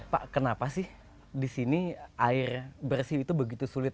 pak kenapa sih di sini air bersih itu begitu sulit